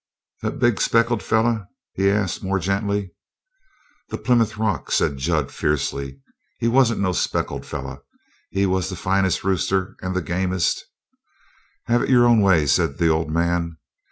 "The big speckled feller?" he asked more gently. "The Plymouth Rock," said Jud fiercely. "He wasn't no speckled feller! He was the finest rooster and the gamest " "Have it your own way," said the old man.